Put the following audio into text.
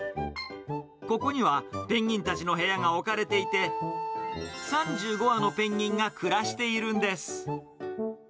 ここには、ペンギンたちの部屋が置かれていて、３５羽のペンギンが暮らしているんです。